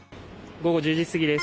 午後１０時すぎです。